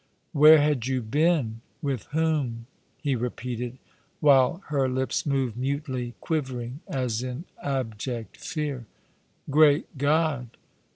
" Where had you been — with whom ?" he repeated, while her lips moved mutely, quivering as in abject fear. " Great God!